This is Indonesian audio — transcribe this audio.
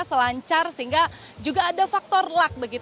selancar sehingga juga ada faktor luck